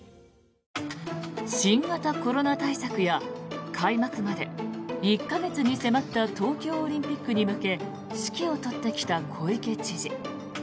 新型コロナ対策や開幕まで１か月に迫った東京オリンピックに向け指揮を執ってきた小池知事。